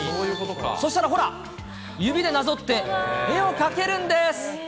そしたらほら、指でなぞって絵を描けるんです。